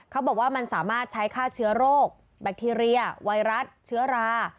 เขาบอกว่ามันสามารถใช้ฆ่าเชื้อโรคแบคทีเรียไวรัสเชื้อรา